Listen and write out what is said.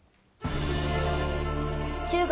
中国